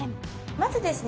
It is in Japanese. まずですね